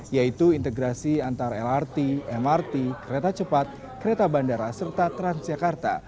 yaitu integrasi antar lrt mrt kereta cepat kereta bandara serta transjakarta